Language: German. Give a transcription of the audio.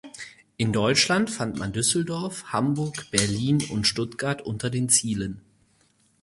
In Deutschland fand man Düsseldorf, Hamburg, Berlin und Stuttgart unter den Zielen.